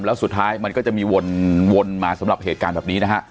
แล้วสุดท้ายมันก็จะมีวนมาสำหรับเหตุการณ์แบบนี้นะฮะ